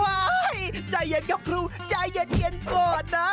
ใจเย็นครับครูใจเย็นก่อนนะ